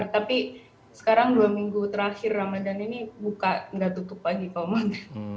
tapi sekarang dua minggu terakhir ramadhan ini buka enggak tutup pagi kalau mau